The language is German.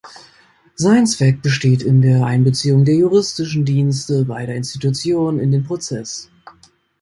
Sein Zweck besteht in der Einbeziehung der Juristischen Dienste beider Institutionen in den Prozess.